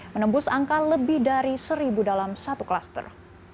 menembus angka lebih dari seribu dalam satu klaster